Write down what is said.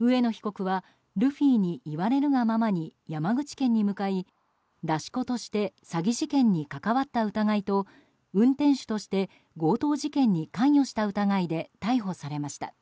上野被告はルフィに言われるがままに山口県に向かい出し子として詐欺事件に関わった疑いと運転手として強盗事件に関与した疑いで逮捕されました。